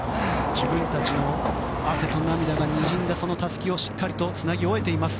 自分たちの汗と涙がにじんだたすきをつなぎ終えています。